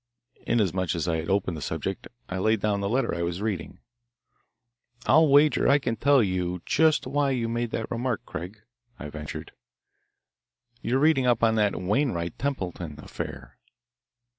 Inasmuch as he had opened the subject, I laid down the letter I was reading. "I'll wager I can tell you just why you made that remark, Craig," I ventured. "You're reading up on that Wainwright Templeton affair."